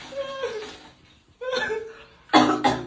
ค่ะ